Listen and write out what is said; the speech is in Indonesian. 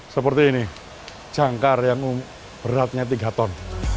seperti ini jangkar yang beratnya tiga ton